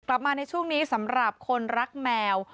กลับมาในช่วงนี้สำหรับคนรักแมว